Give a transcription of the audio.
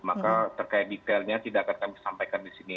maka terkait detailnya tidak akan kami sampaikan di sini